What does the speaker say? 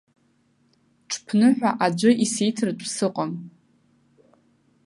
Ҽԥныҳәа аӡәы исиҭартә сыҟам.